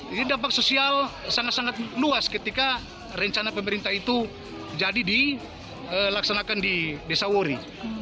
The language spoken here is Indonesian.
ini dampak sosial sangat sangat luas ketika rencana pemerintah itu jadi dilaksanakan di desa wori